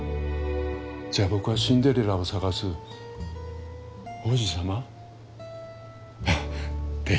じゃ僕はシンデレラを捜す王子様？って。